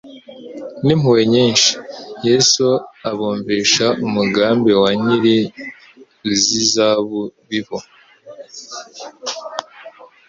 N'impuhwe nyinshi, Yesu abumvisha umugambi wa nyiri unizabibu.